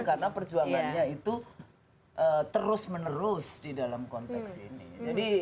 karena perjuangannya itu terus menerus di dalam konteks ini